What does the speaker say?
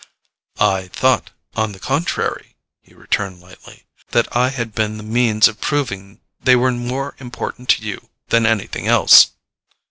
"I thought, on the contrary," he returned lightly, "that I had been the means of proving they were more important to you than anything else."